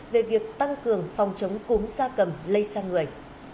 về việc tăng cường phòng chống cúm da cầm lây sang người